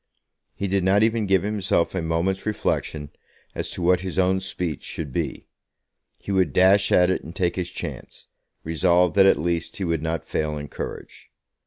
He did not even give himself a moment's reflection as to what his own speech should be. He would dash at it and take his chance, resolved that at least he would not fail in courage.